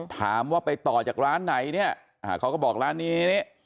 ถามว่าไปต่อจากร้านไหนเนี่ยเขาก็บอกร้านนี้